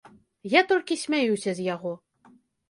Я толькі смяюся з яго.